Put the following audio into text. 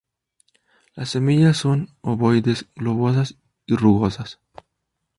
Las semillas son ovoides, globosas y rugosas.